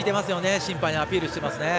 審判にアピールしてますね。